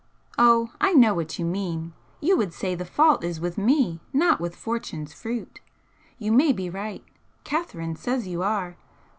"Oh, I know what you mean! You would say the fault is with me, not with Fortune's fruit. You may be right. Catherine says you are.